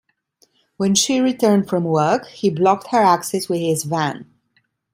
When she returned from work, he blocked her access with his van.